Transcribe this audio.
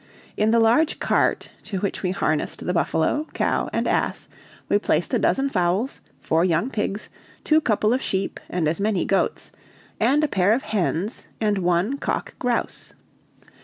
In the large cart, to which we harnessed the buffalo, cow, and ass, we placed a dozen fowls, four young pigs, two couple of sheep, and as many goats, and a pair of hens and one cock grouse.